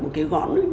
một cái gõn